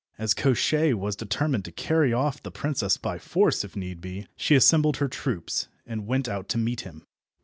As Koshchei was determined to carry off the princess by force, if need be, she assembled her troops, and went out to meet him.